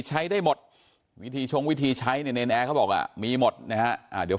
ใช้ได้หมดวิธีชงวิธีใช้เนี่ยเนรนแอร์เขาบอกว่ามีหมดนะฮะเดี๋ยว